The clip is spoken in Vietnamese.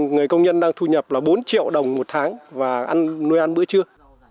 người công nhân đang thu nhập là bốn triệu đồng một tháng và ăn nuôi ăn bữa trưa